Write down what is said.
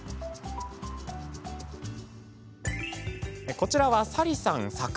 こちらは、沙里さん作。